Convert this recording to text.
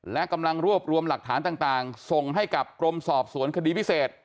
และกำลังรวบรวมหลักฐานต่างส่งให้กับกรมสอบสวนคดีพิเศษ